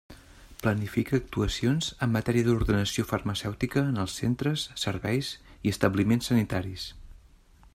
Planifica actuacions en matèria d'ordenació farmacèutica en els centres, serveis i establiments sanitaris.